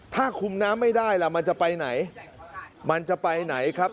ถ้าคุมน้ำไม่ได้ล่ะมันจะไปไหนมันจะไปไหนครับ